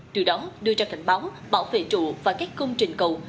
từ đó đưa ra cảnh báo bảo vệ trụ và các công trình cầu